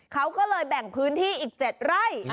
เขาก็เลยแบ่งพื้นที่อีก๗ไร่